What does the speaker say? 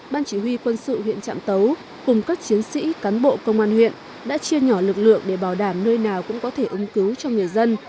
ban chỉ huy quân sự huyện trạm tấu cùng các chiến sĩ cán bộ công an huyện đã chia nhỏ lực lượng để bảo đảm nơi nào cũng có thể ứng cứu cho người dân